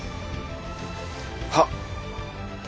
はっ。